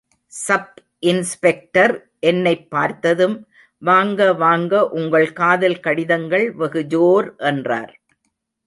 Sub inspector என்னைப் பார்த்ததும், வாங்க வாங்க, உங்கள் காதல் கடிதங்கள் வெகு ஜோர் என்றார்.